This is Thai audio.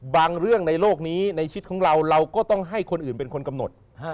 เรื่องในโลกนี้ในชีวิตของเราเราก็ต้องให้คนอื่นเป็นคนกำหนด